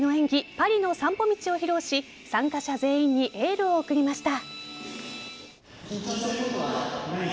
「パリの散歩道」を披露し参加者全員にエールを送りました。